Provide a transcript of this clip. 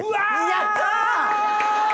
やった！